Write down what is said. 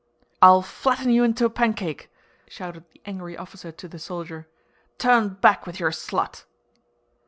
"I'll flatten you into a pancake!" shouted the angry officer to the soldier. "Turn back with your slut!"